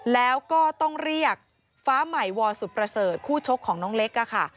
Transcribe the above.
แล้วก็ต้องเรียกฟ้าใหม่วอสุดประเสริฐคู่ชกของน้องเล็กค่ะ